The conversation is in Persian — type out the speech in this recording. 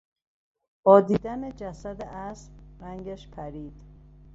با دیدن جسد اسب رنگش پرید.